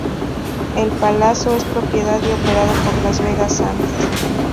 El Palazzo es propiedad y operado por Las Vegas Sands.